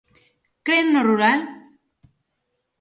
¿Cren no rural?